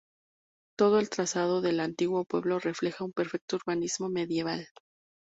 Todo el trazado del antiguo pueblo refleja un perfecto urbanismo medieval.